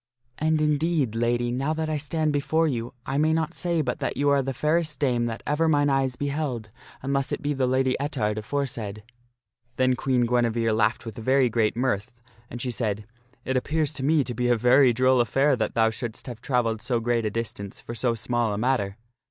And indeed, Lady, now that I stand before you, I may not say but that you are the fairest dame that ever mine eyes beheld unless it be the Lady Ettard aforesaid." Then Queen Guinevere laughed with very great mirth. And she said, " It appears to me to be a very droll affair that thou shouldst have trav elled so great a distance for so small a matter."